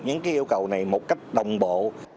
những yêu cầu này một cách đồng bộ